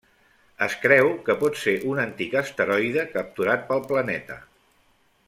Es creu que pot ser un antic asteroide capturat pel planeta.